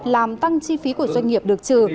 làm tăng chi phí của doanh nghiệp được trừ